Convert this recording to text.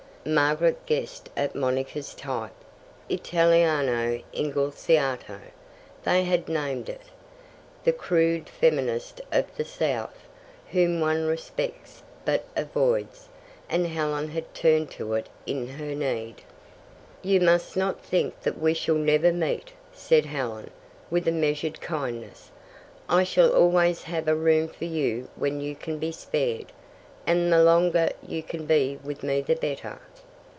Margaret guessed at Monica's type "Italiano Inglesiato" they had named it: the crude feminist of the South, whom one respects but avoids. And Helen had turned to it in her need! "You must not think that we shall never meet," said Helen, with a measured kindness. "I shall always have a room for you when you can be spared, and the longer you can be with me the better.